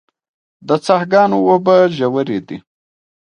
د څاه ګانو اوبه ژورې دي